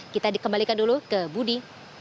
kita dikembalikan dulu ke budi